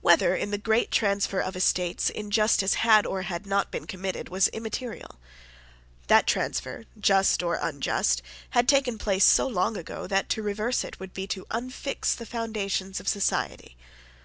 Whether, in the great transfer of estates, injustice had or had not been committed, was immaterial. That transfer, just or unjust, had taken place so long ago, that to reverse it would be to unfix the foundations of society.